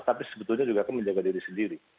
tapi sebetulnya juga akan menjaga diri sendiri